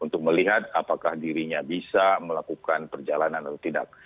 untuk melihat apakah dirinya bisa melakukan perjalanan atau tidak